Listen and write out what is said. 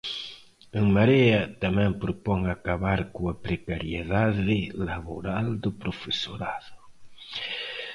En Marea tamén propón acabar coa precariedade laboral do profesorado.